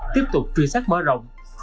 tiếp tục truy sát mở rộng